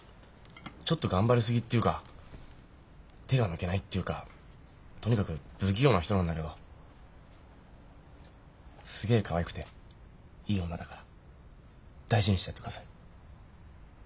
ちょっと頑張りすぎっていうか手が抜けないっていうかとにかく不器用な人なんだけどすげえかわいくていい女だから大事にしてやってください。